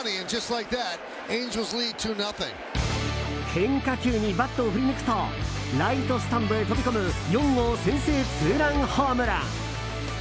変化球にバットを振り抜くとライトスタンドへ飛び込む４号先制ツーランホームラン。